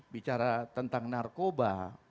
bicara tentang narkoba